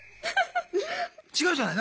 違うじゃない。